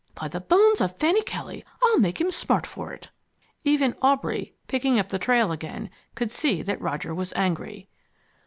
"By the bones of Fanny Kelly, I'll make him smart for it." Even Aubrey, picking up the trail again, could see that Roger was angry.